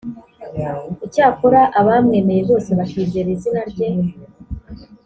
icyakora abamwemeye bose bakizera izina rye